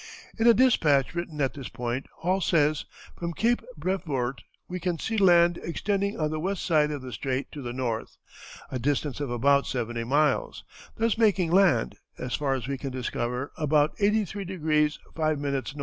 In a despatch written at this point, Hall says, "From Cape Brevoort we can see land extending on the west side of the strait to the north, a distance of about seventy miles, thus making land, as far as we can discover, about 83° 5´ N."